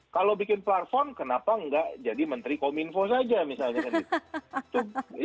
kalau bikin platform kenapa nggak jadi menteri kominfo saja misalnya kan gitu